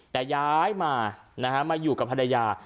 แต่ย้ายมาอยู่กับภรรยา